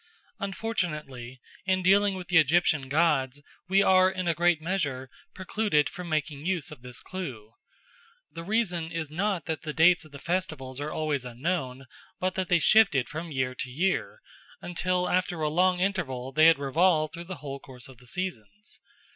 Unfortunately, in dealing with the Egyptian gods we are in a great measure precluded from making use of this clue. The reason is not that the dates of the festivals are always unknown, but that they shifted from year to year, until after a long interval they had revolved through the whole course of the seasons.